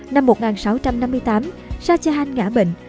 năm một nghìn sáu trăm năm mươi tám shah jahan ngã bệnh